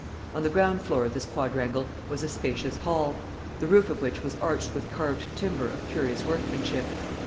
On the ground floor of this quadrangle was a spacious hall; the roof of which was arched with carved timber of curious workmanship.